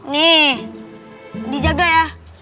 nih dijaga ya